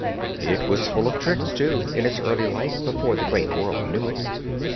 It was full of tricks, too, in its early life before the great world knew it.